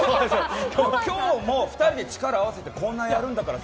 今日も２人で力を合わせてコーナーやるんだからさ。